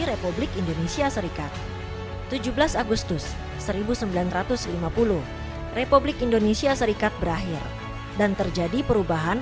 republik indonesia serikat tujuh belas agustus seribu sembilan ratus lima puluh republik indonesia serikat berakhir dan terjadi perubahan